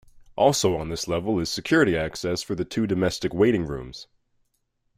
Also on this level is security access for the two domestic waiting rooms.